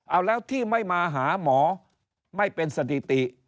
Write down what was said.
เอาแล้วที่ไม่มาหาหมอไม่เป็นสถิติ